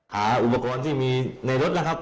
หาอุปกรณ์ที่มีในรถแล้วครับ